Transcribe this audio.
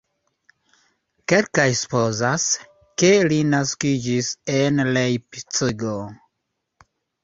Kelkaj supozas, ke li naskiĝis en Lejpcigo.